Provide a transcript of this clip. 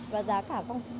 và giá cả không